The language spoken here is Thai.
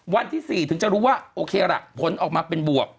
วันที่๔ถึงจะรู้ว่าโอเคล่ะผลออกมาเป็นบวก